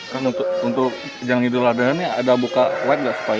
kan untuk yang idul azhar ini ada buka web gak